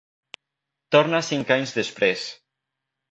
Torna cinc anys després.